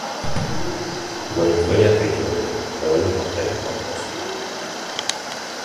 Но никто не ответил ему, и он не повторил вопроса.